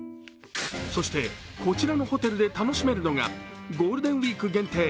そして、こちらのホテルで楽しめるのがゴールデンウイーク限定